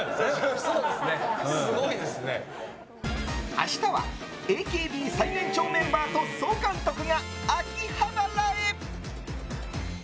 明日はＡＫＢ最年長メンバーと総監督が秋葉原へ！